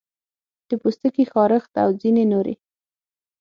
د پوستکي خارښت او ځینې نورې